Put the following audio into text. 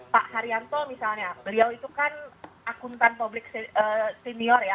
pak haryanto misalnya beliau itu kan akuntan publik senior ya